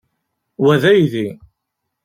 Wa d aydi.